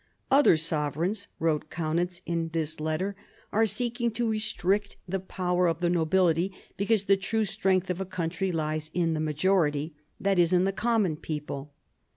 "Other sovereigns," wrote Kaunitz in this letter, "are seeking to restrict the power of 1758 65 DOMESTIC AFFAIRS 193 the nobility, because the true strength of a country lies in the majority — that is, in the common people.